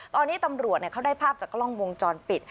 ตอนนี้ตำรวจเขาได้ภาพจากกล้องวงจรปิด